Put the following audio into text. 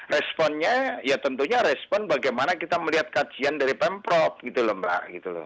responnya ya tentunya respon bagaimana kita melihat kajian dari pamprop gitu lho mbak